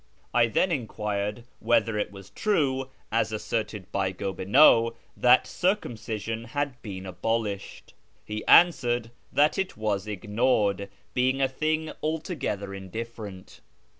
I then enquired whether it was true, as asserted by Gobineau, that circumcision had been abolished. He answered that it was ignored, being a thing altogether indifferent.